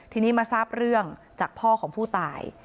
ทีนี้มาทราบเรื่องจากพ่อของผู้ตาย